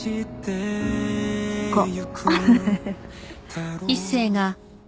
こう？